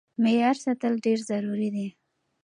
معيار ساتل ډېر ضروري دی.